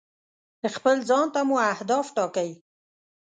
خپل ځان ته مو اهداف ټاکئ.